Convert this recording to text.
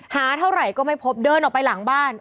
หาเท่าไหร่ก็ไม่พบเดินออกไปหลังบ้าน